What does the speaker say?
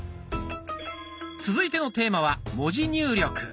続いてのテーマは「文字入力」。